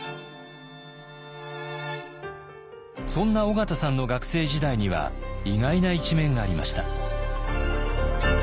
そんな緒方さんの学生時代には意外な一面がありました。